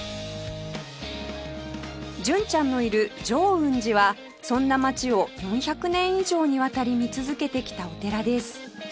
純ちゃんのいる浄運寺はそんな街を４００年以上にわたり見続けてきたお寺です